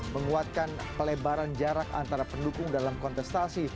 menguatkan pelebaran jarak antara pendukung dalam kontestasi